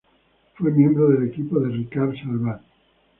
Fue miembro del equipo de Ricard Salvat.